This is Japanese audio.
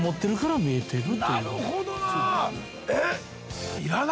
なるほどなぁ。え？